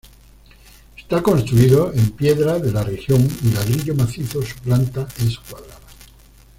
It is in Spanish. Está construido en piedra de la región y ladrillo macizo su planta es cuadrada.